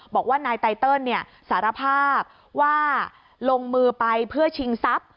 บอกว่านายไตเติลสารภาพว่าลงมือไปเพื่อชิงทรัพย์